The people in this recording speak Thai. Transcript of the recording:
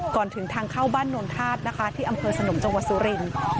ถึงทางเข้าบ้านนวลธาตุนะคะที่อำเภอสนมจังหวัดสุรินทร์